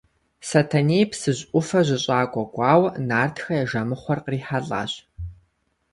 Сэтэней Псыжь ӏуфэ жьыщӏакӏуэ кӏуауэ, нартхэ я жэмыхъуэр кърихьэлӏащ.